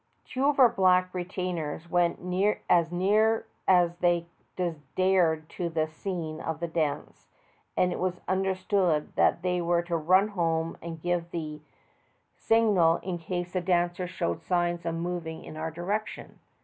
Two of our black retainers went as near as they dared to the scene of the dance, and it was under stood that they were to run home and give the A CORROBOREE IN AUSTRALIA. 203 signal in case the dancers showed signs of moving in our direction.